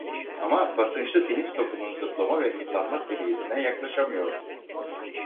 Ama basınçlı tenis topunun zıplama ve hızlanma seviyesine yaklaşamıyordu.